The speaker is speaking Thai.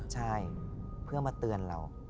ใช่เพื่อมาเตือนเรา